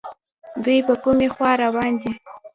دوی په کومې خوا روان دي